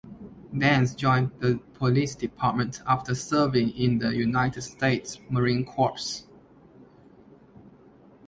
Danz joined the Police Department after serving in the United States Marine Corps.